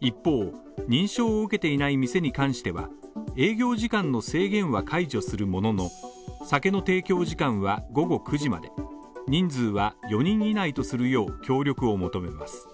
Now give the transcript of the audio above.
一方、認証を受けていない店に関しては、営業時間の制限は解除するものの、酒の提供時間は午後９時まで、人数は４人以内とするよう協力を求めます。